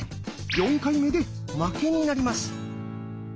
４回目で負けになります。